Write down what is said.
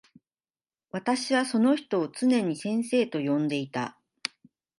私はその人をつねに先生と呼んでいた。